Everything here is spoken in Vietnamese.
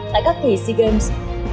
tại các kỳ sea games